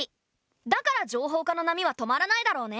だから情報化の波は止まらないだろうね。